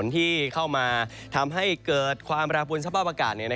ที่เข้ามาทำให้เกิดความระบุลเส้นปลาอากาศ